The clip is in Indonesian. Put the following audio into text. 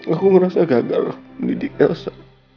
aku ngerasa gagal lah mendidik elsa